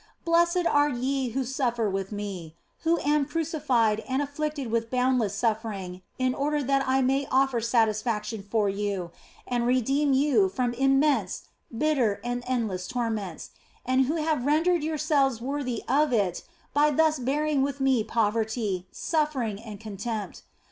Blessed are ye who suffer with Me, who am crucified and afflicted with boundless suffering in order that I may offer satisfaction for you and redeem you from immense, bitter, and endless torments, and who have OF FOLIGNO 211 rendered yourselves worthy of it by thus bearing with Me poverty, suffering, and contempt.